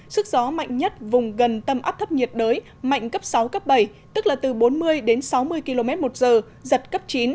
sức gió mạnh nhất vùng gần tầm áp thấp nhiệt đới mạnh cấp sáu bảy tức là từ bốn mươi sáu mươi km một giờ giật cấp chín